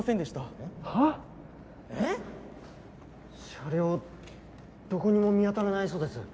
車両どこにも見当たらないそうです